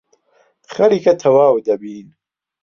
خەریکە تەواو دەبین.